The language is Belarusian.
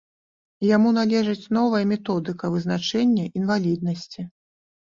Яму належыць новая методыка вызначэння інваліднасці.